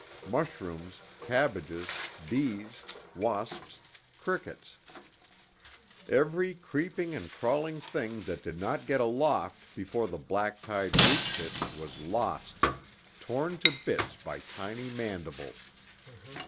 Mushrooms, cabbages, bees, wasps, crickets. Every creeping and crawling thing that did not get aloft before the black tide reached it was lost, torn to bits by tiny mandibles.